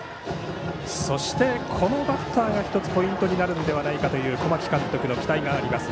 そして、このバッターが１つポイントになるのではという小牧監督の期待があります